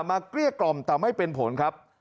เกลี้ยกล่อมแต่ไม่เป็นผลครับ